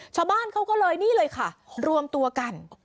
ชาวบ้านเขาก็เลยนี่เลยค่ะรวมตัวกัน